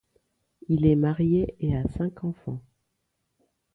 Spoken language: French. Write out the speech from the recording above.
Il est marié et a cinq enfants.